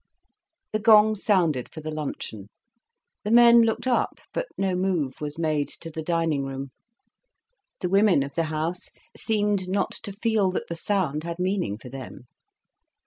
The gong sounded for the luncheon. The men looked up, but no move was made to the dining room. The women of the house seemed not to feel that the sound had meaning for them.